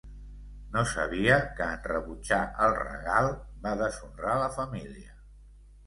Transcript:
No sabia que en rebutjar el regal, va deshonrar la família.